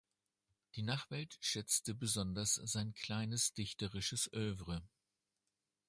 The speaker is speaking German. Die Nachwelt schätzte besonders sein kleines dichterisches Œuvre.